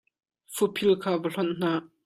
Fuphil kha va hlonh hna.